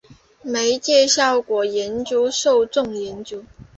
媒介效果研究受众研究